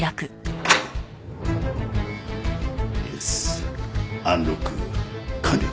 イエスアンロック完了。